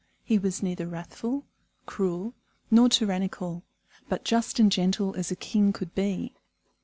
He was neither wrathful, cruel, nor tyrannical, but just and gentle as a king could be.